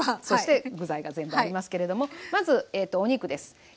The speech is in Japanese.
そして具材が全部ありますけれどもまずお肉です。